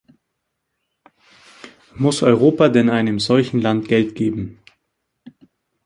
Muss Europa denn einem solchen Land Geld geben?